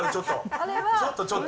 ちょっと。